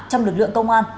trong lực lượng công an